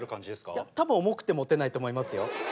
いや多分重くて持てないと思いますよ。